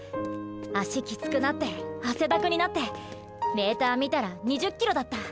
足きつくなって汗だくになってメーター見たら２０ｋｍだった。